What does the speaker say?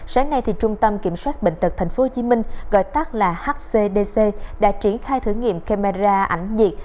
sáng nay trung tâm kiểm soát bệnh tật tp hcm đã triển khai thử nghiệm camera ảnh nhiệt